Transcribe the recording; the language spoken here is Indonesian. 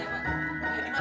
makasih ya alhamdulillah